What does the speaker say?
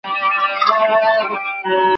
ناحقه په غصه کېدل مو پښيمانوي.